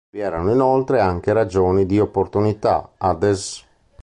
Vi erano inoltre anche ragioni di opportunità, ad es.